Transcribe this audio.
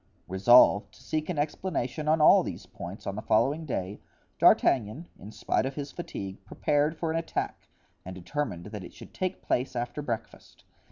Resolved to seek an explanation on all these points on the following day, D'Artagnan, in spite of his fatigue, prepared for an attack and determined that it should take place after breakfast.